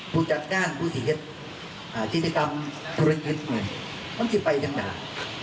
ผู้จัดการผู้สีเห็ดอ่าจิตกรรมผู้เล็กหน่อยต้องจะไปจังหลาก